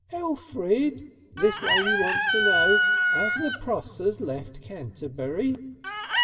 "Elfrid! This lady wants to know, 'ave the Prossers left Canterbury?"